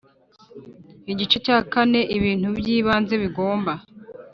Igice cya kane Ibintu by ibanze bigomba